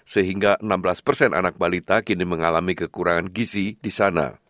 sehingga enam belas persen anak balita kini mengalami kekurangan gasnya